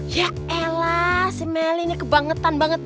ya elah si meli ini kebangetan banget